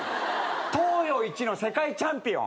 「東洋一の世界チャンピオン」